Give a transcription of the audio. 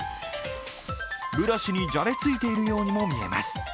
ブラシにじゃれついているようにも見えます。